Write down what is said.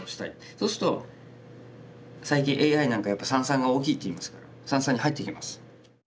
そうすると最近ＡＩなんかやっぱ三々が大きいっていいますから三々に入ってきます。